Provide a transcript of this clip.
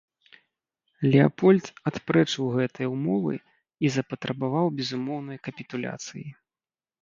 Леапольд адпрэчыў гэтыя ўмовы і запатрабаваў безумоўнай капітуляцыі.